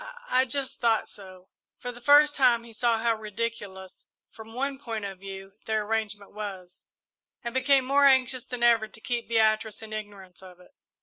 "I I just thought so." For the first time he saw how ridiculous, from one point of view, their arrangement was, and became more anxious than ever to keep Beatrice in ignorance of it.